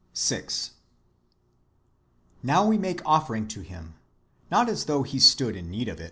6. Now we make offering to Him, not as though He stood ^ Comp.